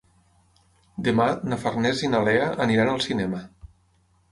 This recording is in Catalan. Demà na Farners i na Lea aniran al cinema.